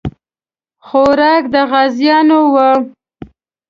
خوراک د غازیانو وو.